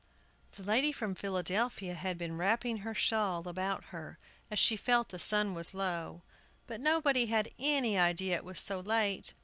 The lady from Philadelphia had been wrapping her shawl about her, as she felt the sun was low. But nobody had any idea it was so late!